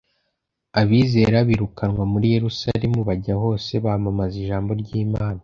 Abizera birukanwa muri Yerusalemu “bajya hose, bamamaza ijambo ry’Imana.”.